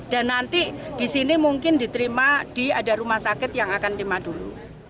dan nanti di sini mungkin diterima di rumah sakit yang akan diterima dulu